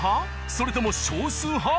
それとも少数派？